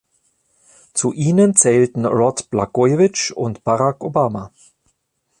Zu ihnen zählten Rod Blagojevich und Barack Obama.